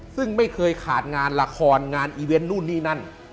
ซึ่งไม่เคยขาดงานละครงานอีเวนต์นู่นนี่นั่น